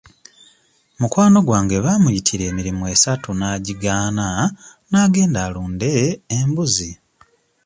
Mukwano gwange baamuyitira emirimu esatu n'agigaana n'agenda alunde embuzi.